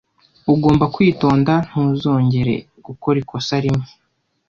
Ugomba kwitonda ntuzongere gukora ikosa rimwe.